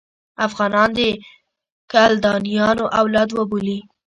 افغانان د کلدانیانو اولاد وبولي.